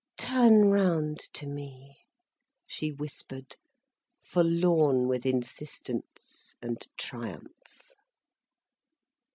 "Turn round to me," she whispered, forlorn with insistence and triumph.